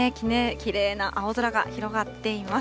きれいな青空が広がっています。